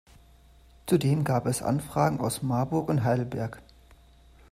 Zudem gab es Anfragen aus Marburg und Heidelberg.